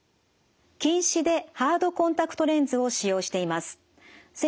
近視でハードコンタクトレンズを使用しています。